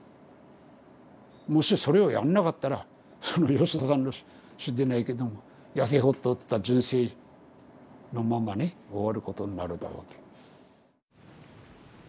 もしそれをやんなかったらその吉田さんの詩でないけどもやせ細った人生のままね終わることになるだろうと。